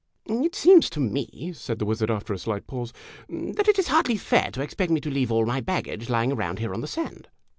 " It seems to me," said the wizard, after a slight pause, "that it is hardly fair to expect me to leave all my baggage lying around here on the sand